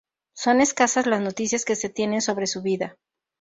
Son escasas las noticias que se tienen sobre su vida.